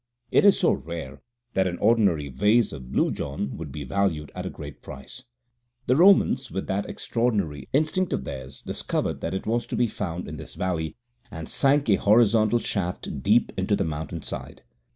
It is so rare that an ordinary vase of Blue John would be valued at a great price. The Romans, with that extraordinary instinct of theirs, discovered that it was to be found in this valley, and sank a horizontal shaft deep into the mountain side.